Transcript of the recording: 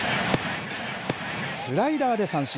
スライダーで三振。